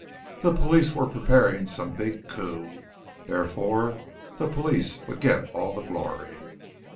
The police were preparing some big coup. Therefore the police would get all the glory.